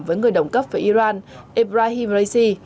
với người đồng cấp với iran ebrahim raisi